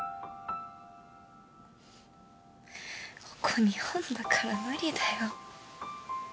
ここ日本だから無理だよ。